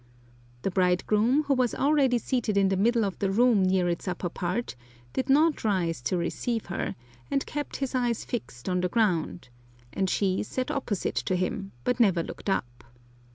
The bridegroom, who was already seated in the middle of the room near its upper part, did not rise to receive her, and kept his eyes fixed on the ground, and she sat opposite to him, but never looked up.